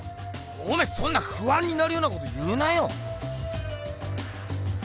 おめぇそんなふあんになるようなこと言うなよ！